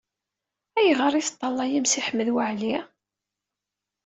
Ayɣeṛ i teṭṭalayem Si Ḥmed Waɛli?